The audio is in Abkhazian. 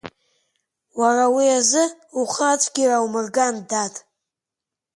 Уара уи азы ухы ацәгьара аумырган, дад!